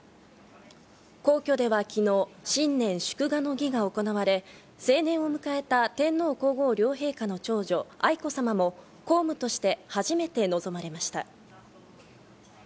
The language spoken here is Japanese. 皇居では昨日、新年祝賀の儀が行われ、成年を迎えた天皇皇后両陛下の長女・愛子さまも公務として初めて臨まれました。